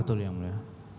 betul yang mulia